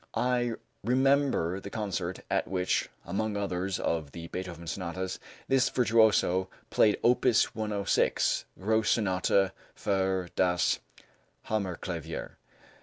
I remember the concert at which, among others of the Beethoven sonatas, this virtuoso played Opus 106 ("Grosse Sonata für das Hammerklavier").